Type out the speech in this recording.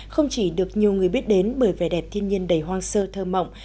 không chỉ được nhiều người biết đến bởi vẻ đẹp thiên nhiên đầy hoang sơ thơ mộng